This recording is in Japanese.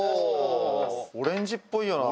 オレンジっぽいよな。